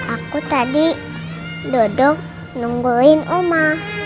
aku tadi dodo nungguin oma